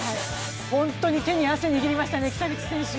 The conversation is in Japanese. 本当に手に汗握りましたね、北口選手。